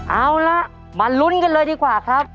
เอาล่ะมาลุ้นกันเลยดีกว่าครับ